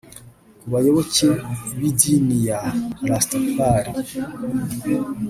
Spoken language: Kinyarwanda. Ku bayoboke b’idini ya Rastafari